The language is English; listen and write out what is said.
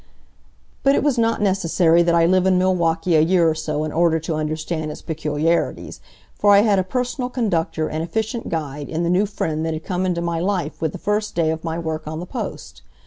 But it was not necessary that I live in Milwaukee a year or so in order to understand its peculiarities, for I had a personal conductor and efficient guide in the new friend that had come into my life with the first day of my work on the Post.